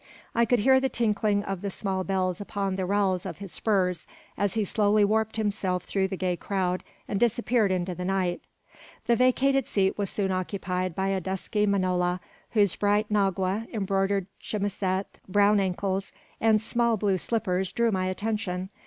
I could hear the tinkling of the small bells upon the rowels of his spurs, as he slowly warped himself through the gay crowd, and disappeared into the night. The vacated seat was soon occupied by a dusky manola, whose bright nagua, embroidered chemisette, brown ankles, and small blue slippers, drew my attention.